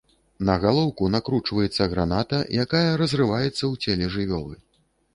На галоўку накручваецца граната, якая разрываецца у целе жывёлы.